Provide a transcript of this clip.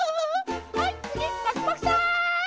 はいつぎパクパクさん！